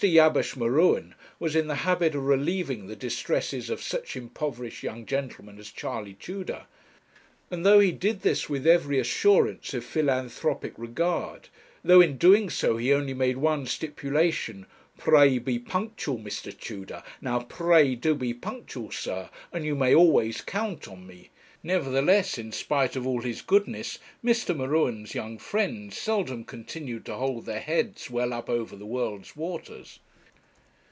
Jabesh M'Ruen was in the habit of relieving the distresses of such impoverished young gentlemen as Charley Tudor; and though he did this with every assurance of philanthropic regard, though in doing so he only made one stipulation, 'Pray be punctual, Mr. Tudor, now pray do be punctual, sir, and you may always count on me,' nevertheless, in spite of all his goodness, Mr. M'Ruen's young friends seldom continued to hold their heads well up over the world's waters.